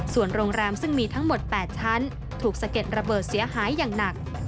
ส่วนโรงแรมซึ่งมีทั้งหมด๘ชั้นถูกสะเก็ดระเบิดเสียหายอย่างหนัก